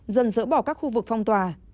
dần dỡ bỏ các khu vực phong tòa